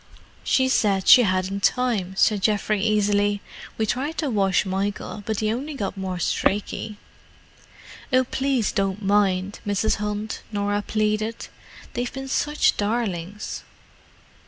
"She said she hadn't time," said Geoffrey easily. "We tried to wash Michael, but he only got more streaky." "Oh, please don't mind, Mrs. Hunt," Norah pleaded. "They've been such darlings!"